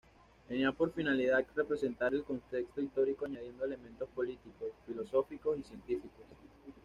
Tenía por finalidad representar el contexto histórico añadiendo elementos políticos, filosóficos y científicos.